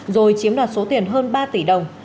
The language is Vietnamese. rồi chiếm đoạt số tiền hơn ba tỷ đồng